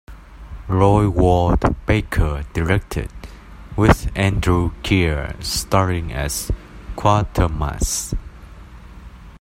Roy Ward Baker directed, with Andrew Keir starring as Quatermass.